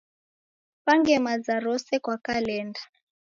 Kupange maza rose kwa kalenda.